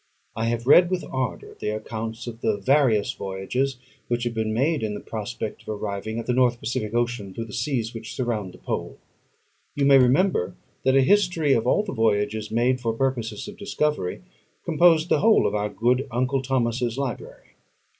I have read with ardour the accounts of the various voyages which have been made in the prospect of arriving at the North Pacific Ocean through the seas which surround the pole. You may remember, that a history of all the voyages made for purposes of discovery composed the whole of our good uncle Thomas's library.